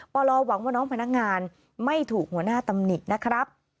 ปลหวังว่าน้องพนักงานไม่ถูกหัวหน้าตำหนินะครับ